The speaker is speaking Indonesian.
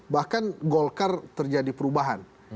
bahkan golkar terjadi perubahan